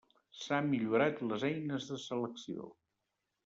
S'ha millorat les eines de selecció.